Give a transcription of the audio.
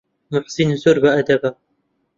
موحسین زۆر بەئەدەبە.